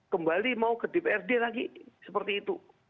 kembali mau ke dprd lagi seperti itu